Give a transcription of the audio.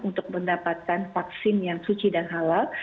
untuk mendapatkan vaksin yang suci dan halal